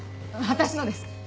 私のです。